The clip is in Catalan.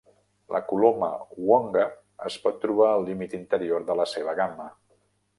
La coloma wonga es pot trobar al límit interior de la seva gamma.